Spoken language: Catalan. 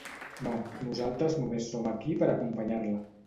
No, nosaltres només som aquí per acompanyar-la.